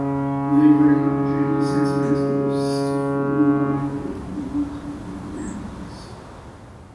They were not dreamy sentimentalists to fall in love with melancholy winds.